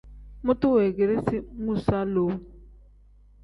Mutu weegeresi muusa lowu.